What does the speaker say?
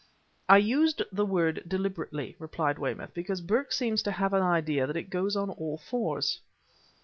"I used the word deliberately," replied Weymouth, "because Burke seems to have the idea that it goes on all fours."